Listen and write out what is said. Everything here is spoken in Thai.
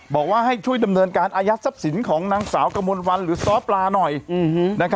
บอกว่าให้ช่วยดำเนินการอายัดทรัพย์สินของนางสาวกระมวลวันหรือซ้อปลาหน่อย